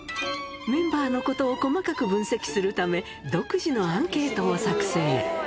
メンバーのことを細かく分析するため、独自のアンケートを作成。